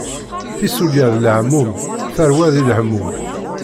Tissulya d leɛmum, tarwa di lehmum.